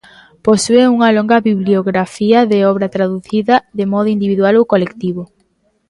Posúe unha longa bibliografía de obra traducida, de modo individual ou colectivo.